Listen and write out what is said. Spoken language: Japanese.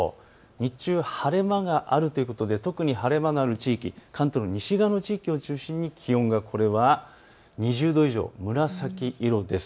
日中、晴れ間があるということで特に晴れ間のある地域、関東の西側の地域を中心に気温が２０度以上、紫色です。